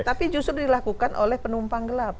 tapi justru dilakukan oleh penumpang gelap